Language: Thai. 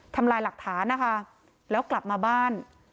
ทำลายหลักฐานนะคะแล้วกลับมาบ้าน